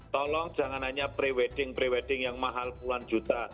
tolong jangan hanya pre wedding pre wedding yang mahal puluhan juta